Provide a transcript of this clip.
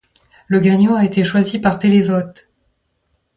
Le gagnant a été choisi par télé-vote.